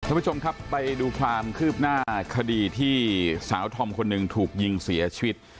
ท่านผู้ชมครับไปดูความคืบหน้าคดีที่สาวธอมคนหนึ่งถูกยิงเสียชีวิต